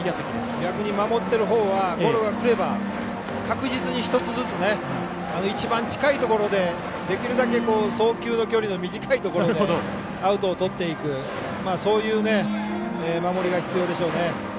逆に守っているほうはボールがくれば確実に１つずつ一番近いところでできるだけ、送球の距離の短いところでアウトをとっていくそういう守りが必要でしょうね。